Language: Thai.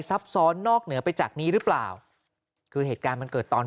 ซับซ้อนนอกเหนือไปจากนี้หรือเปล่าคือเหตุการณ์มันเกิดตอน